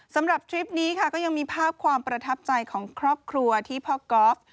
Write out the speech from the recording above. ทริปนี้ค่ะก็ยังมีภาพความประทับใจของครอบครัวที่พ่อกอล์ฟ